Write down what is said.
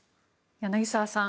柳澤さん